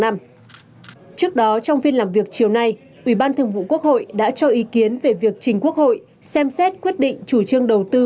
trước đó trong phiên làm việc chiều nay ủy ban thường vụ quốc hội đã cho ý kiến về việc trình quốc hội xem xét quyết định chủ trương đầu tư